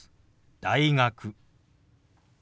「大学」。